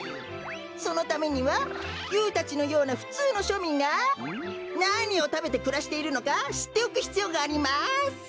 そのためにはユーたちのようなふつうのしょみんがなにをたべてくらしているのかしっておくひつようがあります。